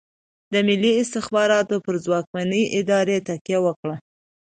د ملي استخباراتو پر ځواکمنې ادارې تکیه وکړه.